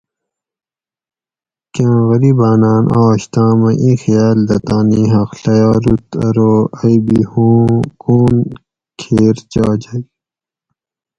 کاۤں غریباۤناۤن آش تاۤمہ اِیں خیال دہ تانی حۤق ڷیاروت ارو ائی بھی ھُوں کون کھیر چاجگ